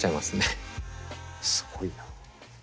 すごいな。